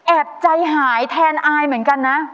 ใจหายแทนอายเหมือนกันนะ